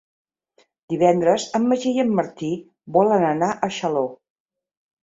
Divendres en Magí i en Martí volen anar a Xaló.